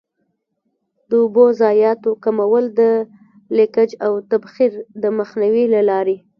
د اوبو ضایعاتو کمول د لیکج او تبخیر د مخنیوي له لارې.